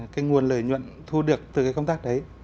cái nguồn lợi nhuận thu được từ cái công tác đấy